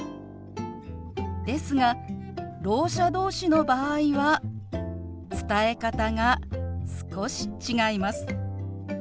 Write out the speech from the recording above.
ですがろう者同士の場合は伝え方が少し違います。